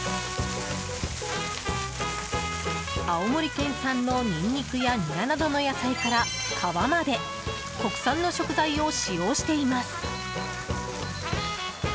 青森県産のニンニクやニラなどの野菜から皮まで国産の食材を使用しています。